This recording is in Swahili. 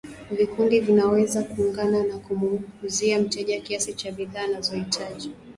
vikundi vinaweza kuungana na kumuuzia mteja kiasi cha bidhaa anazohitaji